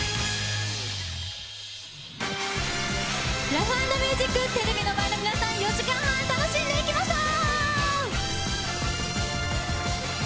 ラフ＆ミュージックテレビの前の皆さん楽しんでいきましょう。